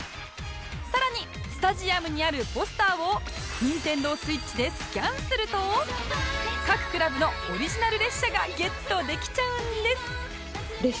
さらにスタジアムにあるポスターを ＮｉｎｔｅｎｄｏＳｗｉｔｃｈ でスキャンすると各クラブのオリジナル列車がゲットできちゃうんです！